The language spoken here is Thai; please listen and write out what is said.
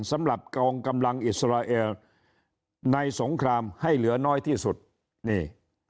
สำหรับกองกำลังอิสราเอลในสงครามให้เหลือน้อยที่สุดนี่